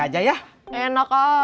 emang marah lagi sama kamu